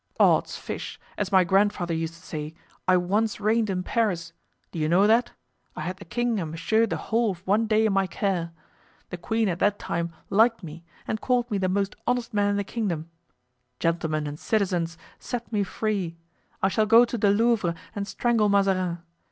"Odds fish! as my grandfather used to say, I once reigned in Paris! do you know that? I had the king and Monsieur the whole of one day in my care. The queen at that time liked me and called me the most honest man in the kingdom. Gentlemen and citizens, set me free; I shall go to the Louvre and strangle Mazarin.